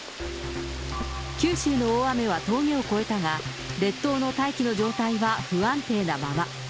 九州の大雨は峠を越えたが、列島の大気の状態は不安定なまま。